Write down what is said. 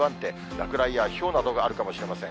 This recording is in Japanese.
落雷やひょうなどがあるかもしれません。